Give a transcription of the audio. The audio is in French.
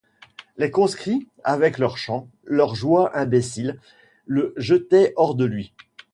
Les conscrits, avec leurs chants, leur joie imbécile, le jetaient hors de lui.